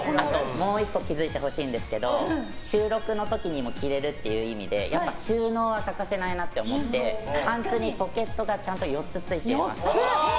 もう１個気づいてほしいんですけど収録の時にも着れるっていう意味で収納は欠かせないなと思ってパンツにポケットがちゃんと４つ付いています。